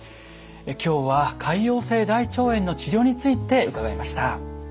今日は潰瘍性大腸炎の治療について伺いました。